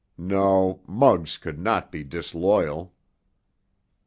No—Muggs could not be disloyal!